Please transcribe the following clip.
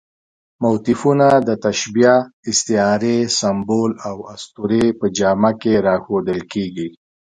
موتیفونه د تشبیه، استعارې، سمبول او اسطورې په جامه کې راښودل کېږي.